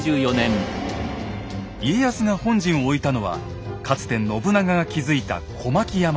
家康が本陣を置いたのはかつて信長が築いた小牧山城。